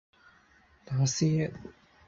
打思噎